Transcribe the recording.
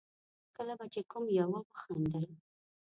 کله چې به کوم يوه وخندل.